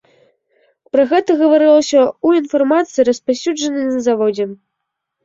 Пра гэта гаварылася ў інфармацыі, распаўсюджанай на заводзе.